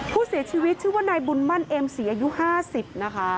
ผู้เสียชีวิตชื่อว่านายบุญมั่นเอ็มศรีอายุ๕๐นะคะ